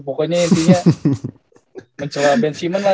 pokoknya intinya mencela ben simmons lah